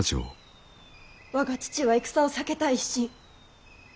我が父は戦を避けたい一心。